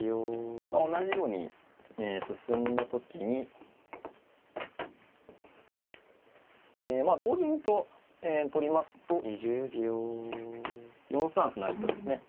同じように進んだ時に同銀と取りますと４三歩成とですね